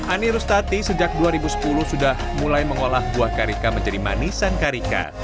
ani rustati sejak dua ribu sepuluh sudah mulai mengolah buah karika menjadi manisan karika